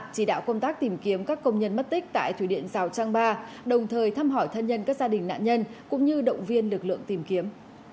chỉ đạo công tác tìm kiếm các công nhân mất tích tại thủy điện rào trang ba đồng thời thăm hỏi thân nhân các gia đình nạn nhân cũng như động viên lực lượng tìm kiếm